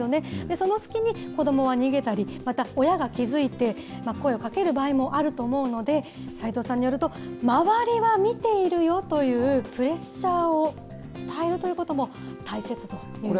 その隙に、子どもは逃げたり、また親が気付いて声をかける場合もあると思うので、齋藤さんによると、周りは見ているよというプレッシャーを伝えるということも大切ということです。